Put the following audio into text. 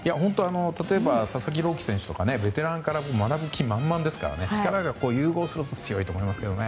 例えば佐々木朗希選手とかベテランから学ぶ気満々ですから力が融合すると強いと思いますけどね。